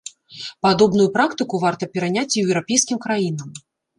Падобную практыку варта пераняць і еўрапейскім краінам.